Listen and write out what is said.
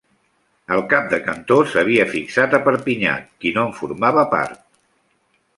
El cap de cantó s'havia fixat a Perpinyà, qui no en formava part.